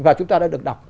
và chúng ta đã được đọc